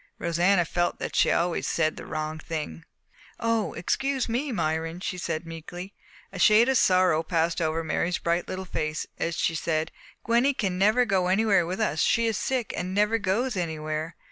Rosanna felt that she always said the wrong thing. "Oh, excuse me, Myron," she said meekly. A shade of sorrow passed over Mary's bright little face as she said, "Gwenny can never go anywhere with us. She is sick, and never goes anywhere."